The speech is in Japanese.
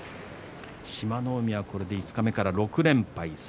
志摩ノ海、これで五日目から６連敗です。